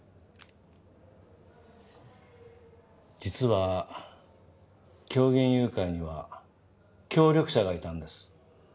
実は狂言誘拐には協力者がいたんです。